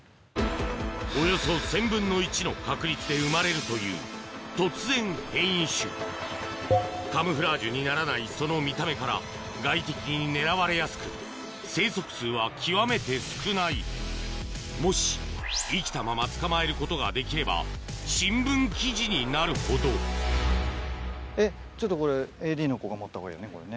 およそ１０００分の１の確率で生まれるという突然変異種カムフラージュにならないその見た目から外敵に狙われやすく生息数は極めて少ないもし生きたまま捕まえることができれば新聞記事になるほどえっちょっとこれＡＤの子が持ったほうがいいよねこれね。